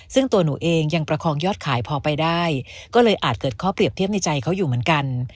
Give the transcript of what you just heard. ซึ่งตัวหนูเองยังประคองยอดขายพอไปได้ก็เลยอาจเกิดข้อเปรียบเทียบในใจเขาอยู่เหมือนกัน